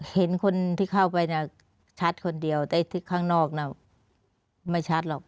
เห็นคนที่เข้าไปเนี่ยชัดคนเดียวแต่ที่ข้างนอกน่ะไม่ชัดหรอก